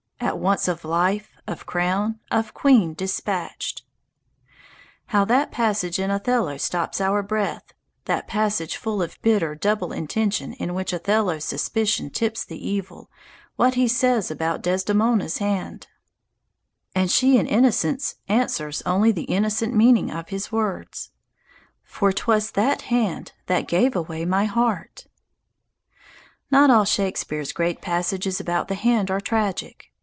At once of life, of crown, of queen dispatch'd. How that passage in "Othello" stops your breath that passage full of bitter double intention in which Othello's suspicion tips with evil what he says about Desdemona's hand; and she in innocence answers only the innocent meaning of his words: "For 'twas that hand that gave away my heart." Not all Shakspere's great passages about the hand are tragic.